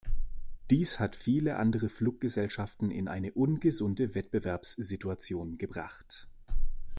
Dies hat viele andere Fluggesellschaften in eine ungesunde Wettbewerbssituation gebracht.